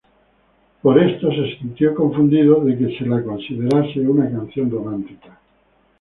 Por esto, se sintió confundido de que se la considere una canción romántica.